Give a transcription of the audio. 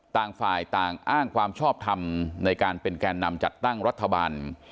ต่างฝ่ายต่างอ้างความชอบทำในการเป็นแก่นำจัดตั้งรัฐบาล